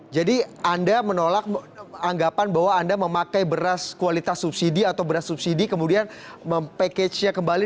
jadi anda menolak anggapan bahwa anda memakai beras kualitas subsidi atau beras subsidi kemudian mempakejnya kembali